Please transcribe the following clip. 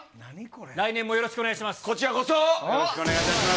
来年もよろしくお願いします。